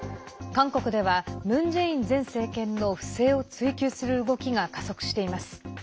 韓国ではムン・ジェイン前政権の不正を追及する動きが加速しています。